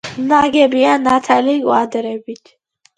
ნაგებია ნათალი კვადრებით.